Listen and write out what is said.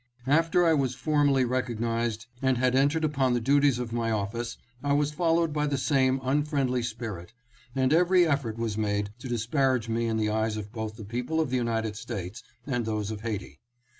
After I was formally recognized and had entered upon the duties of my office, I was followed by the same unfriendly UNFRIENDLY CRITICISM. 725 spirit, and every effort was made to disparage me in the eyes of both the people of the United States and those of Haiti.